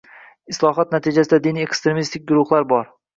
Islohot natijasida diniy ekstremistik guruhlar bor